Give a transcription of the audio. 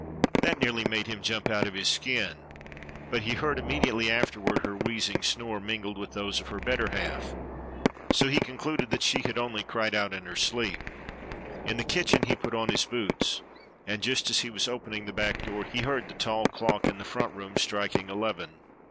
That nearly made him jump out of his skin, but he heard immediately afterward her wheezing snore mingled with those of her better half, so he concluded that she had only cried out in her sleep. In the kitchen he put on his boots, and just as he was opening the back door he heard the tall clock in the front room striking eleven.